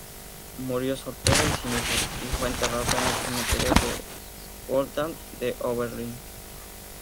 Murió soltero y sin hijos y fue enterrado en el Cementerio Woodland de Oberlin.